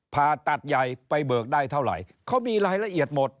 ผ่าตัดใหญ่ไปเบิกได้เท่าไหร่เขามีรายละเอียดหมด